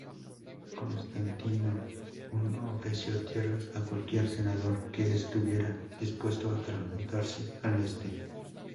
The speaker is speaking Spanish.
Constantino I ofreció tierras a cualquier senador que estuviera dispuesto a trasladarse al Este.